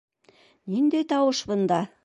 — Ниндәй тауыш бында?